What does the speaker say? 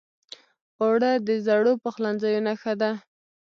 اوړه د زړو پخلنځیو نښه ده